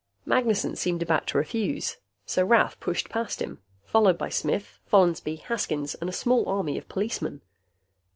Magnessen seemed about to refuse, so Rath pushed past him, followed by Smith, Follansby, Haskins, and a small army of policemen.